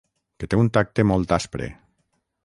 Que té un tacte molt aspre.